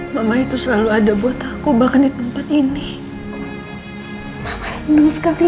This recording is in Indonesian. mama itu selalu ada buat aku bahkan di tempat ini